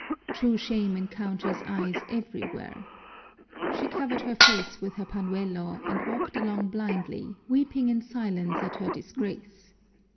True shame encounters eyes everywhere. She covered her face with her pañuelo and walked along blindly, weeping in silence at her disgrace.